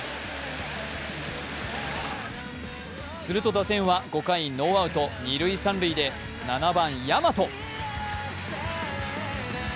すると打線は５回ノーアウト二塁・三塁で、７番・大和。